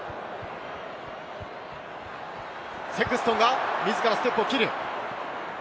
セクストンが自らステップを切る。